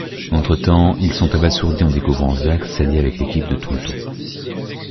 Entre-temps, ils sont abasourdis en découvrant Zach s'allier avec l'équipe de Tonto.